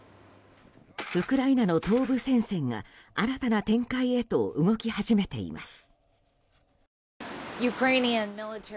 ウクライナの東部戦線が新たな展開へと動き始めています。